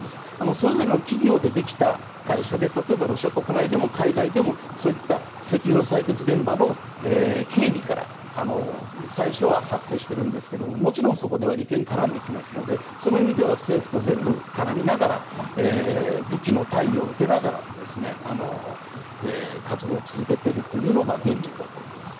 それぞれの企業でできた会社で例えばロシア国内でも海外でもそういった石油の採掘現場の警備から最初は発生しているんですけどもちろん、そこでは利権が絡んできますのでその意味では政府と全部絡みながら武器の貸与を受けながら活動を続けているのが現状だと思います。